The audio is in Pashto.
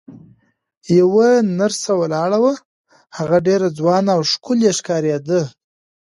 یوه نرسه ولاړه وه، هغه ډېره ځوانه او ښکلې ښکارېده.